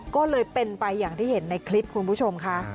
ก็เลยเป็นไปอย่างที่เห็นในคลิปคุณผู้ชมค่ะ